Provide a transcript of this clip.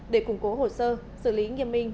để củng cố hồ sơ xử lý nghiêm minh